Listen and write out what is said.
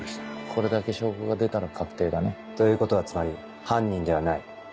これだけ証拠が出たら確定だね。ということはつまり犯人ではない。